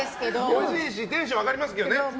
おいしいしテンション上がりますけどね。